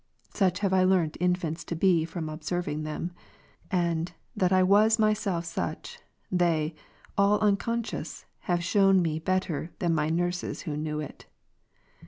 Such have I learnt infants to be from observing them ; and, that I was myself such, they, all unconscious, have shewn me better than my nurses who knew it.